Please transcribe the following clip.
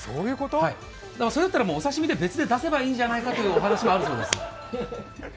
それだったらお刺身で別で出せばいいじゃないかというお話はあるそうです。